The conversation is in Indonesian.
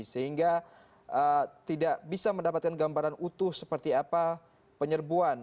sehingga tidak bisa mendapatkan gambaran utuh seperti apa penyerbuan